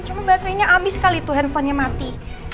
cuma baterenya abis kali tuh handphonenya mati